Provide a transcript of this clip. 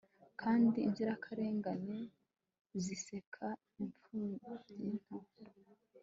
Kandi inzirakarengane ziseka imfubyi nto